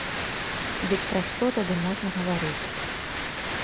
Дык пра што тады можна гаварыць.